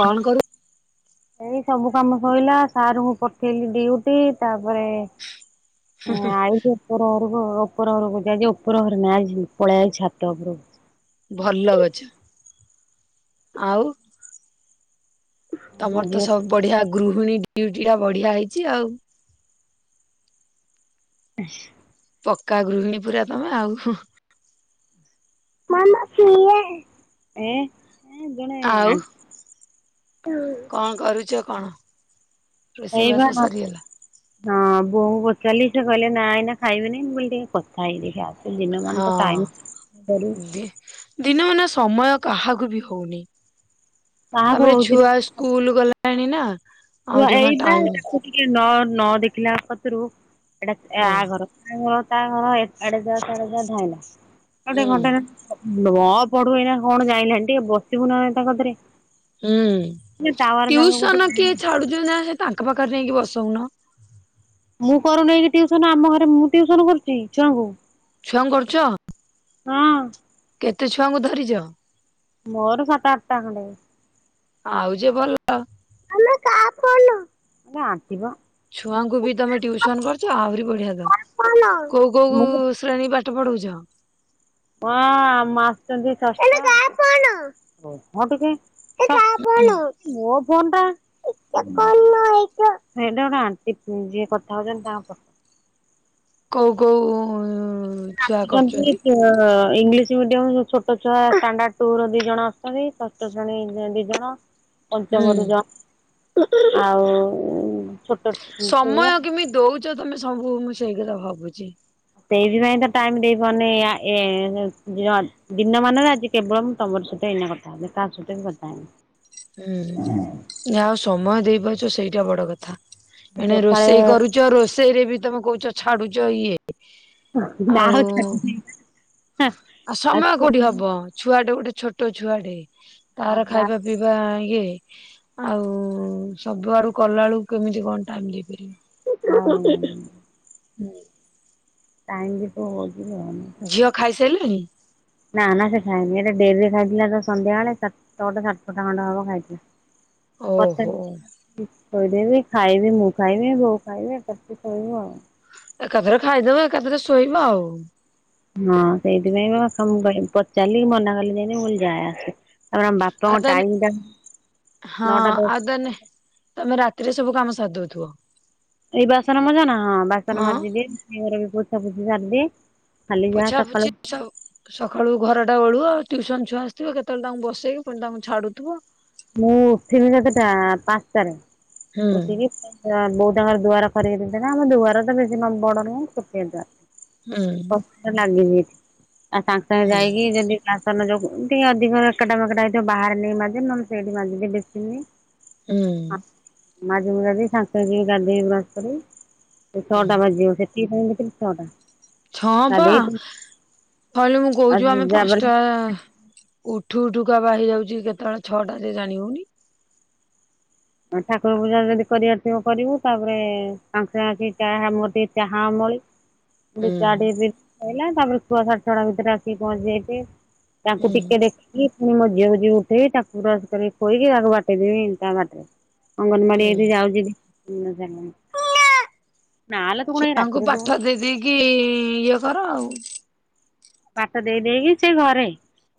କଣ କରୁ ଏଇ ସବୁ କାମ ସଇଲା ସାରଙ୍କୁ ପଠେଇଲି ଡିଉଟି ତାପରେ ଉଁ ଆଇଛି ଉପର ଘରକୁ ଉପର ଘରକୁ ଯାଇକି ଉପର ଘରେ ନାଇଁ ପଳେଇ ଆଇଲି ଛାତ ଉପରକୁ। ଭଲ ଗଛ ଆଉ ମୋ ତମର ତ ଝିଅ ସବୁ ବଢିଆ ଗୃହିଣୀ ଡ୍ୟୁଟି ଟା ବଢିଆ ହେଇଛି ଆଉ। [inaudible] ପକ୍କା ଗୃହିଣୀ ପୁରା ତମେ ଆଉ। ମାମା ସିଏ। ଏଁ ଆଉ କଣ କରୁଛ କଣ? ରୋଷେଇବାସ ଏଇବା ନ ସରିଗଲା ହଁ ବୋଉଙ୍କୁ ପଚାରିଲି ସେ କହିଲେ ନା ଏଇନା ଖାଇବିନି ମୁଁ କହିଲି ଟିକେ କଥା ହେଇକି ଦେଖିଆ ଆସେ। ସେ ଦିନମାନ ତ ଟାଇମ୍ ହଁ [unintelligible] ଦିନ ମାନ ସମୟ କାହାକୁ ବି ହଉନି କାହାକୁ ତାପରେ ହଉଛି ଛୁଆ ସ୍କୁଲ ଗଲାଣି ନା ଆଉ ନା ଜମା ଏଇବା ଟାଇମ ତାକୁ ଟିକେ ନ ନଦେଖିଲା କତିରୁ ଏଇଟା ହଁ ଆ ଘର ଆ ଘର ତା ଘର ଇଆଡେ ସିଆଡେ ଖାଲି ଧାଇଲା। ତାକୁ ଟିକେ ହୁଁ ଘଣ୍ଟା କେ ନ ପଢୁ ଏଇନା କଣ ଯାଇଲାଣି ଟିକେ ବସିବୁ ନା ନା ତା କତିରେ। ହୁଁ ଏ ଟାୱାର ଜାଗାକୁ ଗୋଟେ ଟିଉସନ କିଏ ଆଣିବୁ। ଛାଡୁଛନ୍ତି ନା ସେ ତାଙ୍କ ପାଖରେ ଯାଇକି ବସଉନ। ମୁଁ କରୁନାହିଁକି ଟିଉସନ ଆମ ଘରେ ମୁଁ ଟିଉସନ କରୁଛି ଛୁଆଙ୍କୁ। ଛୁଆଙ୍କୁ କରୁଛ? ହଁ କେତେ ଛୁଆଙ୍କୁ ଧରିଛ? ମୋର ସାତ ଆଠଟା ଖଣ୍ଡେ। ଆଉ ଯେ ଭଲ ମାମା କାହା ଫୋନ? ସେ ଆଣ୍ଟି ବା। ଛୁଆଙ୍କୁ ବି ତମେ ଟ୍ୟୁସନ କରୁଛ ଆହୁରି ବଢିଆ ତ କାହା ଫୋନ? କୋଉ କୋଉ ମୁଁ ଶ୍ରେଣୀ ପାଠ ପଢଉଛ? ହଁ ଆମ ଆସୁଛନ୍ତି ଷଷ୍ [unintelligible] ରହ ଟିକେ। ମୋ ଫୋନ ଟା। [unintelligible] ଆଣ୍ଟି ଯିଏ କଥା ହଉଛନ୍ତି ତାଙ୍କ କଉ କୋଉ ଛୁଆ କରୁଛନ୍ତି? [unintelligible] ଇଂଲିଶ ମିଡିୟମର ଛୋଟ ଛୁଆ ଷ୍ଟାଣ୍ଡଡ ଟୁ ର ଦି ଜଣ ଅଛନ୍ତି। ଷଷ୍ଠ ଶ୍ରେଣୀ ଦି ଜଣ। ହୁଁ ପଞ୍ଚମରୁ ଜଣେ ଆଉ ଛୋଟ ପୁଅ ସମୟ କେମିତି ଦଉଛ ତମେ ସବୁ ମୁଁ ସେଇ କଥା ଭାବୁଛି? ସେଇଥିପାଇଁ ତ ଟାଇମ ଦେଇ ପାରୁନି ଏ-ପଦି ଦିନମାନରେ ଆଜି କେବଳ ମୁଁ ତମର ସହିତ ଏଇନା କଥା ହଉଛି। କାହା ସହିତ ବି କଥା ହେଇନି। ହୁଁ। ଯାହା ହଉ ସମୟ ଦେଇପାରୁଛ ସେଇଟା ବଡ କଥା। ଏଣେ ସକାଳେ ରୋଷେଇ କରୁଛ ରୋଷେଇ ରେ ବି ତମେ କହୁଛ ଛାଡୁଛ ଇଏ ନା ଆଉ ଛାଡୁନି। ଆଉ ସମୟ କୋଉଠି ହବ ଛୁଆଟେ ଗୋଟେ ଛୋଟ ଛୁଆଟେ ତାର ଖାଇବା ପିଇବା ଇଏ ଆଉ ସବୁ ଆଡୁକଲା ବେଳକୁ କେମିତି କଣ ଟାଇମ ଦେଇପାରିବ। ଟାଇମ୍ ବି ତ [unintelligible] ଝିଅ ଖାଇସାରିଲେଣି? ନା ନା ସେ ଖାଇନି ଏଟା ଡେରିରେ ଖାଇଥିଲା ତ ସନ୍ଧ୍ୟାବେଳେ ସ ଛଅଟା ସାଡେ ଛଅଟା ଖଣ୍ଡେ ହବ ଖାଇଥିଲା। ପଛରେ ଓହୋ। ଥୋଇଦେବି ଖାଇବି ମୁଁ ଖାଇବି ବୋଉ ଖାଇବେ [unintelligible] ଶୋଇବୁ ଆଉ। ଏକାଥରେ ଖାଇଦବ ଏକାଥରେ ଶୋଏବ ଆଉ। ହଁ ସେଇଥିପାଇଁ ବାପାଙ୍କୁ ପଚାରିଲି ମନା କଲେ ଯେମିତି ମୁଁ ଯାଏ ଆସେ। ତାପରେ ଆମ ଆଉ ବାପାଙ୍କ ତାନେ ଟାଇମ୍ ଟା ନଅଟା ଦଶ। ଦେନେ ତମେ ରାତିରେ ସବୁ କାମ ସାରିଦଉଥିବ? ଏଇ ବାସନ ମଜା ନା ହଁ ବାସନ ହଁ ମାଜିଦିଏ। ସାଇଘର ପୋଛା ଫୋଛି ବି ସାରିଦିଏ। ଖାଲି ଯାହା ପୋଛା ସକାଳୁ ପୁଛି ସକାଳୁ ଘରଟା ଓଳୁ ଆଉ ଟ୍ୟୁସନ ଛୁଆ ଆସିଥିବ କେତେବେଳେ ତାଙ୍କୁ ବସେଇକି ପୁଣି ତାଙ୍କୁ ଛାଡୁଥିବ? ମୁଁ ଉଠିବି କେତେଟା ପାଞ୍ଚଟାରେ ହୁଁ ଉଠିକି ବହୁଉ ତାଙ୍କର ଦୁଆର ଖରେଇ ଦେଇଥିବେ ନା ଆମ ଦୁଆର ତ ବେଶୀ ବଡ ନୁହଁ ଛୋଟିଆ ଦୁଆର। ହୁଁ। ଲାଗିବି ଆଉ ସାଙ୍ଗେ ସାଙ୍ଗେ ହୁଁ ଯାଇକି ଯଦି ବାସନ ଯୋଗୁ ଟିକେ ଅଧିକ ରକେଟା ମକେଟା ହେଇଥିବ ବା ହାରେ ନେଇ ମାଜେ ନହେଲେ ସେଇଠି ମାଜିଦିଏ। ବେଶୀନି ହୁଁ। ମାଜି ମୁଜା କି ସାଙ୍ଗେ ସାଙ୍ଗେ ଗାଧେଇ ବ୍ରସ୍ କରି ହୁଁ ଛଅଟା ବାଜିବ। ସେଠି [unintelligible] ଛଅଟା। ଛଁବା ଗାଧେଇ ନହେଲେ ମୁଁ କହୁଛି ଆମେ ଆଉ ଯାପରେ ପାଞ୍ଚଟା ଉଠୁ ଉଠୁକା ବା ହେଇଯାଉଛି କେତେବେଳେ ଛଅଟା ଯେ ଜାଣି ହଉନି। ଠାକୁର ପୂଜା ଯଦି କରିବାର ଥିବ କରିବୁ। ତାପରେ ସାଙ୍ଗେ ସାଙ୍ଗେ ଆସି ଚାହା ମୋରଟିକେ ଚାହା ଅମଳି। ଁ [unintelligible] ଚା ଟିକେ ପିଆ ସରିଲା ତା ପରେ ଛୁଆ ସାଡେଛଅଟା ଭିତରେ ଆସିକି ପହଞ୍ଚି ଯାଇଥିବେ। ତାଙ୍କୁ ହୁଁ ଟିକେ ଦେଖିକି ପୁଣି ମୋ ଝିଅ କୁ ଯିବି ଉଠେଇବି ତାକୁ ବ୍ରସ କରିକି ଖୋଇକି ତାକୁ ବାଟେଇ ଦେବି ତା ବାଟରେ। ଅଙ୍ଗନବାଡି ହୁଁ ଏଠି ଯାଉଛି। ନାଲୋ ତୁ କଣ ଏଇ ଛୁଆଙ୍କୁ ରାତିରେ ଦଉନୁ ପାଠ ଦେଇ ଦେଇକି ଇଏ କର ଆଉ। ପାଠ ଦେଇ ଦେଇଇକି ସେ ଘରେ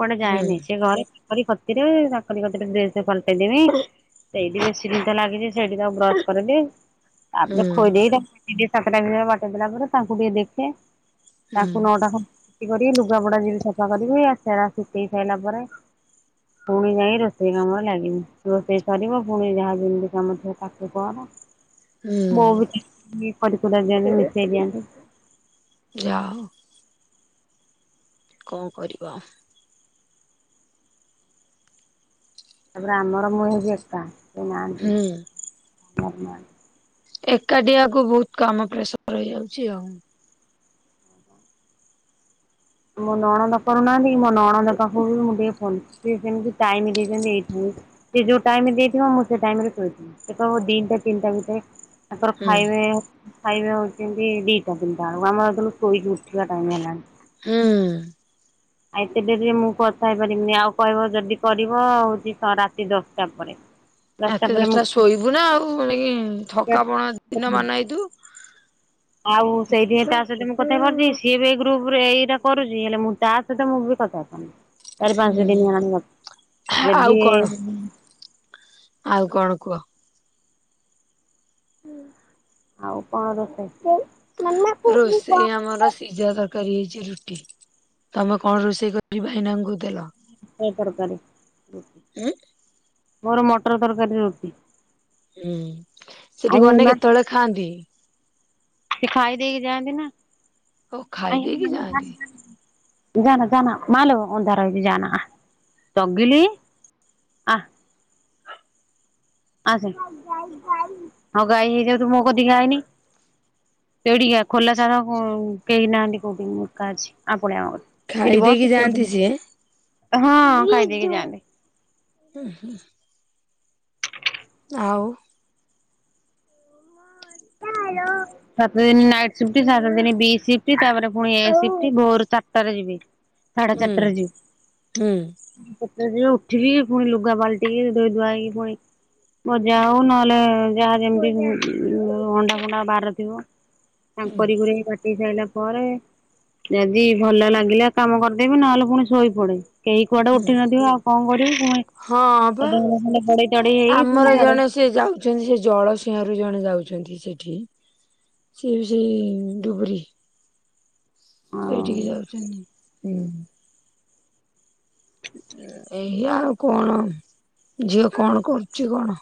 କୁଆଡେ ହୁଁ ଯାଏନି ସେ ଘରେ ତାଙ୍କରି କତିରେ ତାଙ୍କରି କତିରେ ଡ୍ରେସ ଫାଲଟେଇ ଦେମି ସେଇଠି ବେଶୀ ଜିନିଷ ଲାଗିଛି ସେଇଠି ତାକୁ ବ୍ରଶ କରିଦେବି। ହୁଁ ତାପରେ ଖୋଇଦେଇ ତା ସାତଟା ଭରେ ବାଟେଇ ଦେଲା ପରେ ତାଙ୍କୁ ଟିକେ ଦେଖେ ହୁଁ ତାଙ୍କୁ ନଅଟା ଖ କରିବି ଲୁଗାପୋଡା ଯିବି ସଫା କରିବି ସେଗୁଡା ଶୁକେଇ ସାଇଲା ପରେ ଫୁଣି ଯାଇ ରୋଷେଇ କାମରେ ଲାଗିବି ରୋଷେଇ ସରିବ ପୁଣି ଯାହା ଯେମିତି କାମ ଥିବ ତାକୁ କର। ହୁଁ। ବୋଉ ବି ଟିକେ କରିକୁରା ଦିଅନ୍ତି ମିଶେଇ ଦିଅନ୍ତି। ଯା ହୋଉ। କଣ କରିବ? ତାପରେ ଆମର ମୁଁ ହେବି ଏକା କେହି ନାହାନ୍ତି ହୁଁ ଆଜ୍ଞା। ଏକାଟିଆ କୁ ବହୁତ୍ କାମ ପ୍ରେସର ରହିଯାଉଛି ଆଉ। ମୋ ନଣନ୍ଦ କରୁନାହାନ୍ତି କି ମୋ ନଣନ୍ଦ ପାଖକୁ ବି ମୁଁ ଟିକେ ଫୋନ୍‌ ସେ ସେମତି ଟାଇମ୍ ଦେଇଚନ୍ତି ଏଇଠି। ସେ ଯୋଉ ଟାଇମ୍ ଦେଇଥିବ ମୁଁ ସେ ଟାଇମ୍ ରେ ଶୋଇଥିବି ସେ କହିବ ଦିଟା ତିନିଟା ଭିତରେ ତାଙ୍କର ହୁଁ ଖାଇବେ ଖାଇବା ହୋଉଛନ୍ତି ଦୁଇଟା ତିନିଟା ବେଳକୁ ଆମର ହେତେବେଳୁ ଶୋଇକି ଉଠିବା ଟାଇମ୍ ହେଲାଣି। ହୁଁ। ଆଉ ଏତେ ଡେରି ରେ ମୁଁ କଥା ହେଇ ପାରିବିନି ଆଉ କହିବ ଯଦି କରିବ ହୋଉଛି ରାତି ଦଶଟା ପରେ। ରତି ପରେ ମୁଁ ଦଶଟା ଶୋଇବୁ ନା ଆଉ ଥକାପଣ ଦିନ ମାନ ହେଇଥିବୁ। ଆଉ ସେଇଥିପାଇଁ ତା ସହିତ ମୁଁ କଥାପାରୁଛି ସିଏ ବି ଏଇ ଗ୍ରୁପ ରେ ଏଇଟା କରୁଛି ହେଲେ ମୁଁ ତା ସହିତ ମୁଁ ବି କଥା ଚାରି ପାଞ୍ଚ ହୁଁ। ଦିନ ହେଲାଣି ଆଉ ଯଦି କଣ ଆଉ କଣ କୁହ? ଆଉ କଣ ରୋଷେଇ? ମଟର ରୋଷେଇ ଆମର ସେ ସିଜା ତରକାରୀ ହେଇଚି ରୁଟି ତମେ କଣ ରୋଷେଇ କରିକି ଭାଇନାଙ୍କୁ ଦେଲ? ମଟର ତରକାରି ରୁଟି ଉଁ ମୋର ମଟର ତରକାରି ରୁଟି। ହୁଁ ସେଠି ଆଇ ଗନେ କେତେବେଳେ ଖାଆନ୍ତି? ସେଖାଇ ଦେଇକି ଯାଆନ୍ତିନା। ଓ ଖାଇ ଦେଇକି ଯାଆନ୍ତି। [unintelligible] ଜାନା ଜାନା ମାଲୋ ଅନ୍ଧାର ହେଇଚି ଜାନା ଆଁ ଚଗିଲି। ଆ ଆସେ ହଁଗାଈ ହେଇଯାଉ ତୁମୋକତିକି ଆଇନି। ତୁଏଇଠିକି ଆ ଖୋଲା ଜାଗା କେହି ନାହାନ୍ତି କୋଉଠି ମୁଏକା ଅଛି ଆପଳିଆ ମୋ ଖାଇ ଏଇଠି ଦେଇକି ବସ ହଁ ଯାଆନ୍ତି ସିଏ। ଖାଇ ଦେଇକି ଯାଆନ୍ତି। ଉଁ ହୁଁ। ଆଉ। ଯାଲୋ। ସାତ ଦିନି ନାଇଟ୍ ସିପ୍ଟ ସାତ ଦିନି ବି ସିଫ୍ଟ ତାପରେ ପୁଣି ଏ ସିପ୍ଟ ଭୋରୁ ଚାରିଟାରେ ଯିବେ। [inaudible] ସାଢେ ଚାଟାରେ ଯିବେ। ହୁଁ। କେତେଦିଓ ଉଠିଲି ପୁଣି ଲୁଗା ପାଲିଟିିକି ଧୋଇ ଦୁଆଇକି ପୁଣି ଭଜା ହଉ ନହେଲେ ଯାହା ଯେମିତି ଅଣ୍ଡା ଫଣ୍ଡା ବାର ଥିବ ତାଙ୍କୁ କରି କୁରାକି ବାଟେଇ ସାଇଲା ପରେ ଯଦି ଭଲ ଲାଗିଲା କାମ କରିଦେବି ନହେଲେ ପୁଣି ଶୋଇ ପଡ଼େ କେହି କୁଆଡ଼େ ହୁଁ ଉଠି ନଥିବ ଆଉ କଣ କରିବୁ ହଁ ବା। ପୁଣି [unintelligible] ଗଡ଼େଇ ତଡ଼େଇ ହେଇକି ପୁଣି ସାଡ଼େ ଅଛନ୍ତି ସେଜଳ ସିଂହରୁ ଜଣେ ଯାଉଚନ୍ତି ସେଠି ସିଏବି ସେଇ ଡୁବରି ଆଉ ସେଇଠିକି ଯାଉଚନ୍ତି ହୁଁ। ଏଇଆ ଆଉ କଣ ଝିଅ କଣ କରୁଚି କଣ?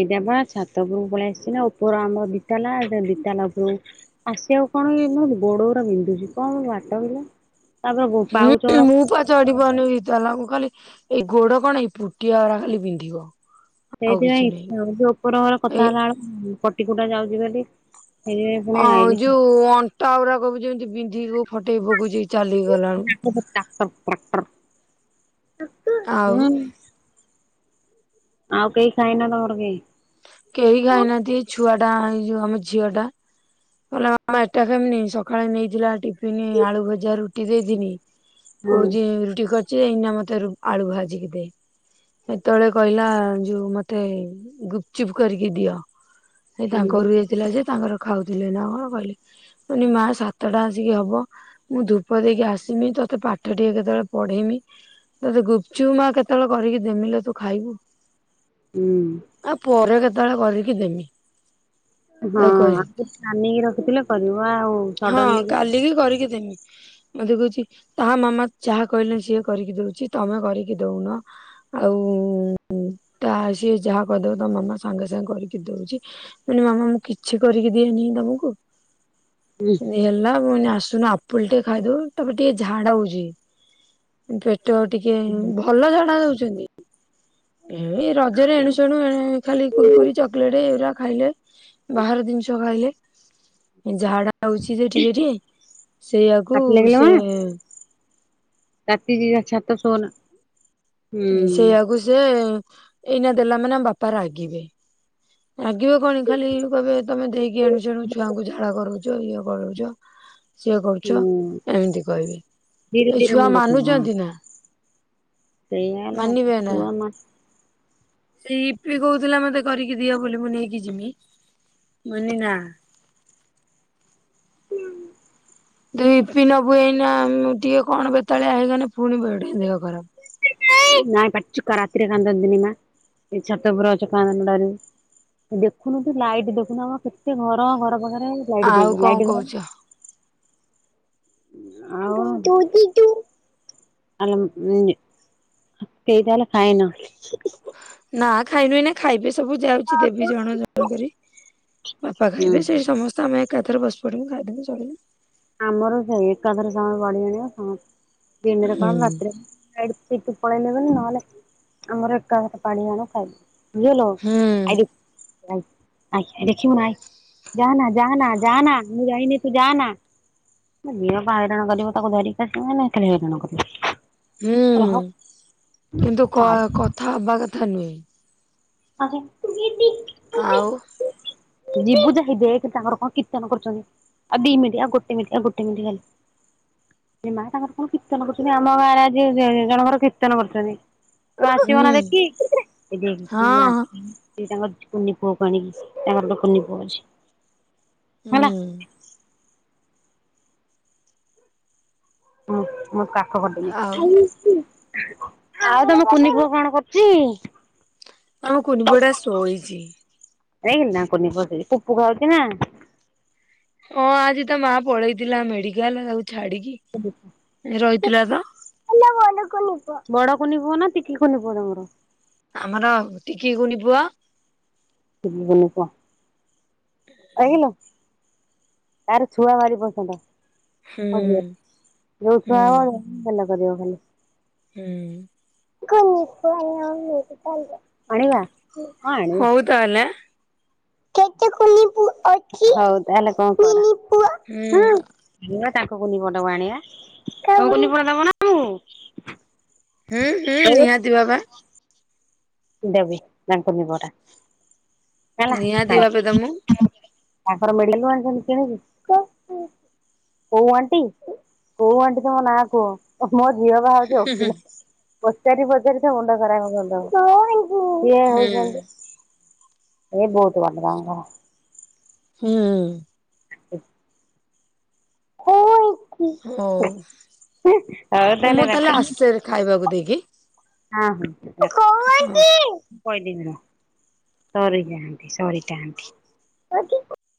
ଏଇଟବା ଛାତ ଉପରୁକୁ ପଳେଇ ଆସିଚିନା ଉପର ଆମର ଦିତାଲା ଏଟା ଦିତାଲା ଉପରକୁ ଆସିବାକୁ କଣକି ଖାଲି ଗୋଡ଼ଗୁରା ବିନ୍ଧୁଚି କମ୍ ବାଟକିଲୋ ତାପରେ ପାଉଚଅରା ଚଢିପାରୁନି ଦିତାଲାକୁ ଖାଲି ଏଇ ଗୋଡ଼ କଣକି ଏଇ ପୁଟିଆରା ଖାଲି ପିନ୍ଧିବ। ସେଇଥିପାଇଁ ଇଛା ହୋଉନି ଯୋଉପର ଘରେ କଥା ଏଇ ହେଲାବେଳୁ ପଟିକୁଟା ଯାଉଚି ବୋଲି ସେଇଥିପାଇଁ ପୁଣି ଆଇଲି ଅଯୋଉ ଅଣ୍ଟା ଆଉରାକବି ଯେମତି ବିନ୍ଧି କଉ ଫଟେଇ ପକଉଚିକି ଚାଲିକି ଗଲାଆଳକୁ। କହ ଟ୍ରାକ୍ଟର ଟ୍ରାକ୍ଟର ଟାକ୍ଟର ଆଉ ହୁଁ। ଆଉ କେହି ଖାଇନା ତମର କେଇ? କେହି ଖାଇନାହାନ୍ତି ଛୁଆଟା ଏଇଯୋଉ ଆମ ଝିଅ ଟା କଇଲା ମାମା ଏଟା ଖାଇମିନି ସକାଳେ ନେଇଥିଲା ଟିଫିନ୍ ଆଳୁ ଭଜା, ରୁଟି ଦେଇଥିନି କହୁଚି ରୁଟି କରିଚି ଏଇନା ମତେ ରୁ ଆଳୁ ଭାଜିକି ଦେ। ସେତେବେଳେ କହିଲା ଯୋଉ ମତେ ଗୁପ୍ ଚୁପ୍ କରିକି ଦିଅ ସେଇ ତାଙ୍କ ଘରକୁ ଯାଇଥିଲାଯେ ତାଙ୍କର ଖାଉଥିଲେନା କଣ କହିଲେ ପୁଣିମା ସାତଟା ଆସିକି ହବ ମୁଁ ଧୂପ ଦେଇକି ଆସିମି ତୋତେ ପାଠ ଟିକେ କେତେବେଳେ ପଢେଇମି ତୋତେ ଗୁପଚୁପ୍ ମା କେତେବେଳେ କରିକି ଦେମିଲ ତୁ ଖାଇବୁ। ହୁଁ। ଆଉ ପରେ କେତେବେଳେ କରିକି ଦେମି। ହଁ ତାକୁ କହିଲି ଆଗରୁ ପ୍ଲାନଂ ରଖିଥିଲେ କରିବ ଆଉ ହଁ ସଡଲି କାଲିକି କରିକି ଦେମି। ମତେ କହୁଛି ତା ମାମା ଯାହା କହିଲେ ସିଏ କରିକି ଦଉଛି ତମେ କରିକି ଦଉନ? ଆଉ ତା ସିଏ ଯାହା କରିଦବ ତ ମାମା ସାଙ୍ଗେ ସାଙ୍ଗେ କରିକି ଦଉଛି ମାନେ ମାମା ମୁଁ କିଛି କରିକି ଦିଇନି ତମକୁ? ହେଲା ପୁଣି ଆସୁନ ଆ ପୁଲଟେ ଖାଇଦଉ ତାପରେ ଟିକେ ଝାଡା ବୁଝେ? ତ ଟିକେ ଭଲ ଝାଡ଼ା ହଉଛନ୍ତି? ଏ ରଜରେ ଏଣୁ ଶେଣୁ ଏଣ ଖାଲି କୁୁରକୁରି, ଚ ଚକଲେଟ୍ ଏଇଡ଼ା ଖାଇଲେ ବାହାର ଜିନିଷ ଖାଇଲେ। ଝାଡା ହଉଛି ସେ ଟିକେ ଟିକେ ସେଇଆକୁ ପାଟି ସେ ତାତି ଯ ଛାତ ସୋନ ସେଇଆକୁ ସେ ଏଇନା ଦେଲା ମାନେ ବାପା ରାଗିବେ। ରାଗିବେ କଣ ଖାଲି କହିବେ ତମେ ଦେଇକି ଆଣୁଛ ଆଣୁଛ ଛୁଆଙ୍କୁ ଝାଡା କରୁଛ ଇଏ କରଉଛ। ସିଏ କରୁଛ ହୁଁ ଏମିତି କହିବେ ଧୀରେ ଏଇ ଧୀରେ ଛୁଆ ମୁଣ୍ଡ ଥୁଅ ହଁ ମାନୁଛନ୍ତି ନା। ସେଇଆ ହେଲା ମାନିବେ ନା ଛୁଆ ମା ସେଇ ଇିପି କହୁଥିଲା ମତେ କରିକି ଦିଅ ବୋଲି ମୁଁ ନେଇକି ଜିମି। ମୁଁ କହିଲି ନା। ହୁଁ। ଦୁଇ ଦିନ ନବୁ ଏଇନା ଟିକେ କଣ ବେତାଳିଆ ହେଇଗଲେ ପୁଣିି ବଢ଼େ ଦେହ ଖରାପ। ନାଇଁ ପାଟଚକା ରାତିରେ କାନ୍ଦନ୍ତିିନି ମା ଛାତ ଉପରେ ଅଛ କାନ୍ଦ ନା ଦେଖୁନୁ ତୁ ଲାଇଟ୍ ଦେଖୁନୁ ଆମ କେତେ ଘର ଘର ପାଖରେ। ଲାଇଟ୍ ଦେଇ ଆଉ ଦେ କଣ ଲାଇଟ୍ କହୁଛ? ଆ [unintelligible] କେଇ ତାହେଲେ ଖାଇନ। ନା ଖାଇନୁ ଏଇନା ଖାଇବେ ସବୁ ଯାଉଛି ଦେବି ଜଣ ଜଣ କରି। ବାପା ହୁଁ ଖାଇବେ ସେଇ ସମସ୍ତେ ଆମେ ଏକାଥରେ ବସି ପଡିବୁ ଖାଇଦବୁ ସରିଲା। ଆମର ସେ ଏକାଥରେ ସମୟ ବାଢ଼ି ଆଣିବି ମୁଁ ଦିନରେ ହୁଁ କଣ ରାତିରେ ନାଇଟ୍ ସିଫ୍ଟ ପଳେଇଲେ ବୋଲି ନହଲେ ଆମର ଏକାବେଳେ ବାଢ଼ି ଆଣ ଖାଇ ଦ କିଏଲୋ ହୁଁ ଆଇଡି ଆଇ ଆଇ ଦେଖିବୁନା ଆଇ ଯା ନା ଯାନା ଯାନା ମୁଁ ଯାଇନି ତୁ ଯା ନା। ଝିଅ ବା ହଇରାଣ କରିବ ତାକୁ ଧରିକିଆସିବି ମାନେ ଭାରି ହଇରାଣ କରିବ। ହୁଁ କିନ୍ତୁ କ କଥା ହବା କଥା ନୁହେଁ। ଆରେ ଯିବୁ ଯେ ଆଉ ହେ ଦେଖ କିନ୍ତୁ ତାଙ୍କର କଣ କୀର୍ତ୍ତନ କରୁଛନ୍ତି? ଆ ଦି ମିନିଟ୍ ଆଉ ଗୋଟେ ମିନିଟ୍ ଆଉ ଗୋଟେ ମିନିଟ୍ ଖାଲି। ଏମା ତାଙ୍କର କଣ କୀର୍ତ୍ତନ କରୁଛନ୍ତି ଆମ ଗାଁରେ ଆ ଆଜି ଜଣଙ୍କର କୀର୍ତ୍ତନ କରୁଛନ୍ତି। ଆସିବ ହୁଁ ନା ଦେଖିକି ଏ ଦେଖ ହଁ ଏ ତାଙ୍କର କୁନି ପୁଅକୁ ଆଣିକି ଆସିବେ ତାଙ୍କର ଗୋଟେ କୁନି ପୁଅ ଅଛି ହେଲା। ହୁଁ ହୁଁ ମୁଁ କାଖ ଆଉ କରିଦେବି। ଆଉ ତମ କୁନି କୁଅ କଣ କରୁଛି? ଆମ କୁନି ପୁଅଟା ଶୋଇଛି। ହେଇଗି ନା କୁନି ପସି ପୁପୁ ଖାଉଛି ନା? ହଁ ଆଜି ତା ମା ପଳେଇଥିଲା ମେଡିକାଲ ତାକୁ ଛାଡିକି। ରହିଥିଲା ତ [unintelligible] ବଡ କନି ପୁଅ ନା ଟିକି କନି ପୁଅ ତମର? ଆମର ଟିକି କୁନି ପୁଅ। ଟିକି କୁନି ପୁଅ। ଆଗିଲ। ତାରେ ଛୁଆ ଭାରି ପସନ୍ଦ ହୁଁ ମ ଝିଅ ଯୋଉ ହୁଁ ଛୁଆ ହ ଗେଲ କରିବ ଖାଲି। ହୁଁ। [inaudible] ଆଣିବା ହଉ ତାହେଲେ। ହଉ ତାହେଲେ କଣ କଲା। ହୁଁ। ଯିବା ତାଙ୍କ କୁନି ପୁଅ ଟାକୁ ଆଣିବା ତମ କୁନି ପୁଅ ଟାକୁ ଦବନା ଆମକୁ। ହୁଁ, ହୁଁ, ଏଇ ନିହାତି ଭାବେ। ଦେବି ତାଙ୍କ କୁନି ପୁଅଟା ହେଲା ନିହାତି [inaudible] ଭାବେ ତ ମୁଁ କୋଉ ଆଣ୍ଟି କୋଉ ଆଣ୍ଟି ତମ ନାଁ କୁହ? ମୋ ଝିଅ ବା ହଉଛି ହୁଁ ହୁଁ ଓକିଲ ପଚାରି ପଚାରି ତମ ମୁଣ୍ଡ ଖରାପ କରିଦବ। ଏଇ ହଉଚନ୍ତି ଇଏ ବହୁତ [unintelligible] ହୁଁ। [unintelligible] ହ। [unintelligible] ହଉ ହଉ ମୁଁ ଆସେ ତାହେଲେ ଖାଇବାକୁ ଦେଇକି ରଖ। ହଁ ହଁ। [unintelligible]